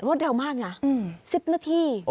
เร็วมากนะ๑๐นาที